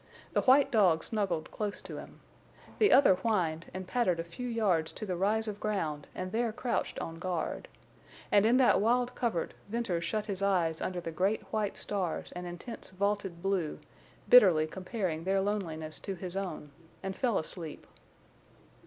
The white dog snuggled close to him. The other whined and pattered a few yards to the rise of ground and there crouched on guard. And in that wild covert Venters shut his eyes under the great white stars and intense vaulted blue, bitterly comparing their loneliness to his own, and fell asleep.